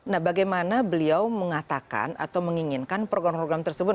nah bagaimana beliau mengatakan atau menginginkan program program tersebut